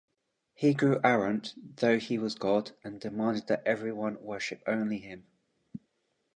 He grew arrogant, thought he was God, and demanded that everyone worship only him.